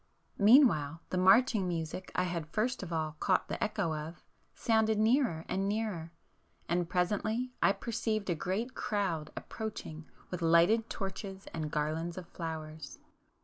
Meanwhile the marching music I had first of all caught the echo of, sounded nearer and nearer,—and presently I perceived a great crowd approaching with lighted torches and garlands of flowers.